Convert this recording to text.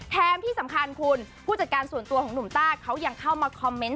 ที่สำคัญคุณผู้จัดการส่วนตัวของหนุ่มต้าเขายังเข้ามาคอมเมนต์